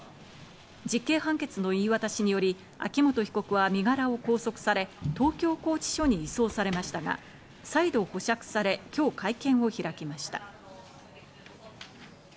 実刑判決の言い渡しにより秋元被告は身柄を拘束され東京拘置所に移送されましたが、再度保釈され、今日会見を開きました。